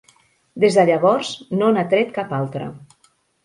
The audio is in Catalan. Des de llavors, no n'ha tret cap altra.